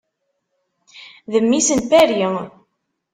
D mmi-s n Paris.